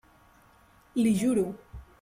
L'hi juro!